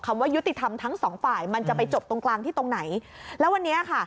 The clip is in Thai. ว่ายุติธรรมทั้งสองฝ่ายมันจะไปจบตรงกลางที่ตรงไหนแล้ววันนี้ค่ะ